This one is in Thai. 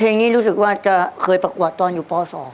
เพลงนี้รู้สึกว่าจะเคยประกวดตอนอยู่ป๒